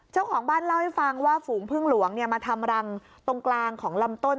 เจ้าของบ้านเล่าให้ฟังว่าฝูงพึ่งหลวงมาทำรังตรงกลางของลำต้น